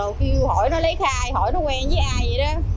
rồi công an kêu hỏi nó lấy khai hỏi nó quen với ai vậy đó